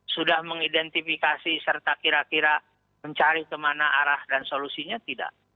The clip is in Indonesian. sudah mengidentifikasi serta kira kira mencari kemana arah dan solusinya tidak